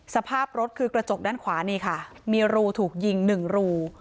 สภาพรถคือกระจกด้านขวานี่ค่ะมีรูถูกยิง๑รู